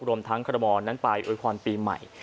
รวมทั้งคอรมอลนั้นไปอวยพรปีใหม่